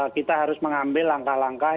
kita harus mengambil langkah langkah